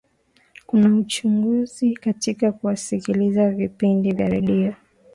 kuna uchaguzi katika kusikiliza vipindi vya redio